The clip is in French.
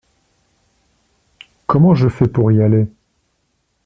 Comment je fais pour y aller ?